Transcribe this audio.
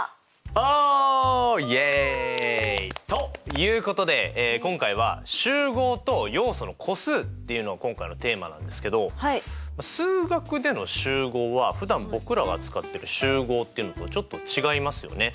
フウ！ということで今回は「集合と要素の個数」っていうのが今回のテーマなんですけど数学での集合はふだん僕らが使ってる集合っていうのとちょっと違いますよね。